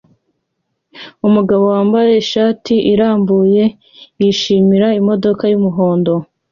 Umugabo wambaye ishati irambuye yishimira imodoka yumuhondo